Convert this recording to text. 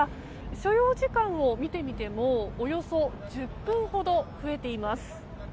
所要時間を見てみてもおよそ１０分ほど増えています。